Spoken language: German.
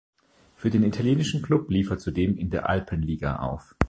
Für den italienischen Klub lief er zudem in der Alpenliga auf.